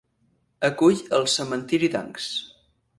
Acull el cementiri d'Ancs.